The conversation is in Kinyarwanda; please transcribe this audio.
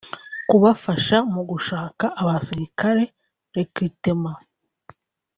kubafasha mu gushaka abasirikare (recruitments)